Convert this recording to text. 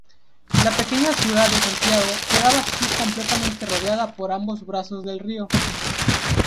La pequeña ciudad de Santiago quedaba así completamente rodeada por ambos brazos del río.